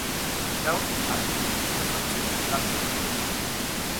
Gaur, apirilak hemezortzi, igandea.